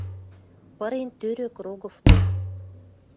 Пырен тӧрӧк Рогов док.